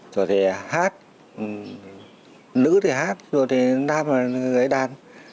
rồi thì hát nữ thì hát rồi thì nam là người đàn